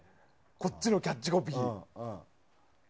こっちのキャッチコピー。